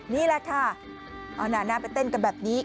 นี่แหละค่ะเอาหน้าไปเต้นกันแบบนี้